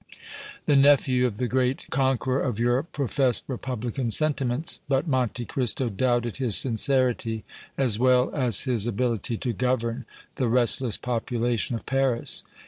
The nephew of the great conqueror of Europe professed republican sentiments, but Monte Cristo doubted his sincerity as well as his ability to govern the restless population of Paris.